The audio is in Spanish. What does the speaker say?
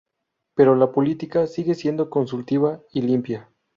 Pero, la política sigue siendo consultiva y limpia.